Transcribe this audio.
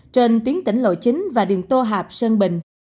trên tuyến tỉnh lộ chín và đường tô hạp sơn bình